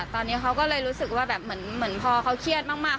ตอนนี้เขาก็เลยรู้สึกว่าแบบเหมือนพอเขาเครียดมาก